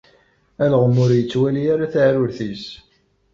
Alɣem ur yettwali ara tasaɛrurt-is.